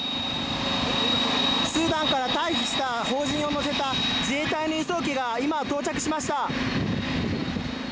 スーダンから退避した邦人を乗せた自衛隊の輸送機が今、到着しました。